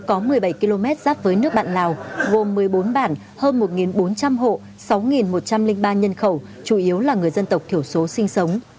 có một mươi bảy km giáp với nước bạn lào gồm một mươi bốn bản hơn một bốn trăm linh hộ sáu một trăm linh ba nhân khẩu chủ yếu là người dân tộc thiểu số sinh sống